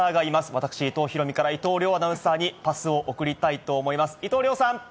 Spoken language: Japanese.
私、伊藤大海から伊藤遼アナウンサーに、パスを送りたいと思います。